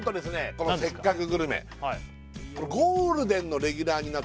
この「せっかくグルメ！！」